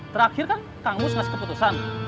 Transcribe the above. terakhir kan tanggus harus keputusan